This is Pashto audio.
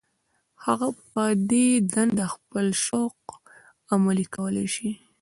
هغه په دې دنده خپل شوق عملي کولای شو.